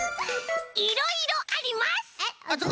いろいろあります！ズコ！